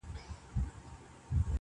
تور باڼۀ وروځې او زلفې خال او زخه ,